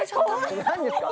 何ですか？